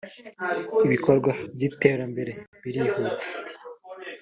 ibikorwa by’iterambere birihuta